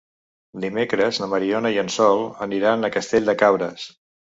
Dimecres na Mariona i en Sol aniran a Castell de Cabres.